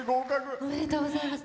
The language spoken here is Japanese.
おめでとうございます。